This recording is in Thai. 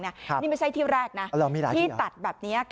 นี่ไม่ใช่ที่แรกนะที่ตัดแบบนี้